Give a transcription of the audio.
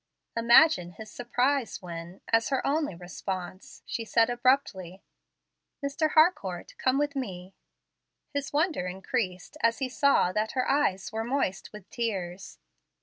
Imagine his surprise when, as her only response, she said abruptly, "Mr. Harcourt, come with me." His wonder increased as he saw that her eyes were moist with tears.